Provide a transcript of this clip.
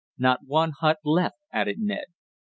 "Not one hut left," added Ned.